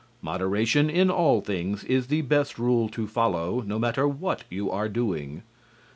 (Moderation in all things is the best rule to follow, no matter what you are doing.)